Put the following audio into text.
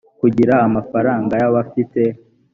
kugira amafaranga y abafite